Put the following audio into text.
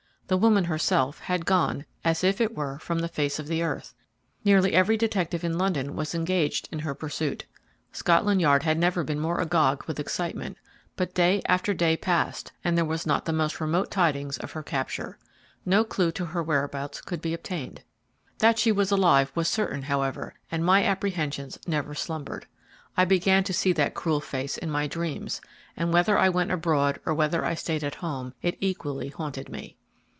The woman herself had gone as it were from the face of the earth. Nearly every detective in London was engaged in her pursuit. Scotland Yard had never been more agog with excitement; but day after day passed, and there was not the most remote tidings of her capture. No clue to her whereabouts could be obtained. That she was alive was certain, however, and my apprehensions never slumbered. I began to see that cruel face in my dreams, and whether I went abroad or whether I stayed at home, it equally haunted me.